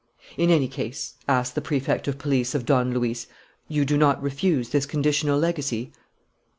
"In any case," asked the Prefect of Police of Don Luis, "you do not refuse this conditional legacy?"